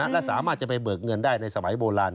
และสามารถจะไปเบิกเงินได้ในสมัยโบราณ